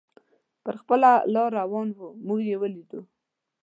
پر خپله لار روان و، موږ یې ولیدو.